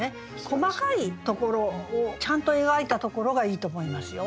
細かいところをちゃんと描いたところがいいと思いますよ。